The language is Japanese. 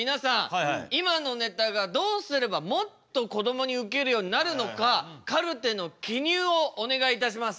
今のネタがどうすればもっとこどもにウケるようになるのかカルテの記入をお願いいたします。